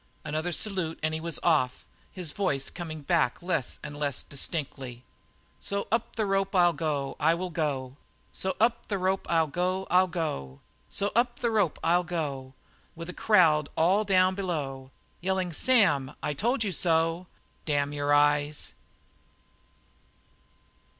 Another salute, and he was off, his voice coming back less and less distinctly. "So up the rope I'll go, I will go; So up the rope I'll go I'll go. So up the rope I'll go With the crowd all down below Yelling, 'Sam, I told you so!' Damn their eyes!"